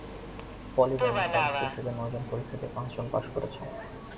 পলি জানান, তাঁর স্কুল থেকে নয়জন পরীক্ষা দিয়ে পাঁচজন পাস করেছে।